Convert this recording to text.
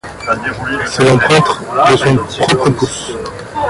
C'est l'empreinte de son propre pouce.